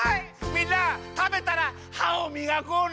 みんなたべたらはをみがこうね！